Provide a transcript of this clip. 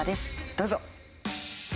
どうぞ。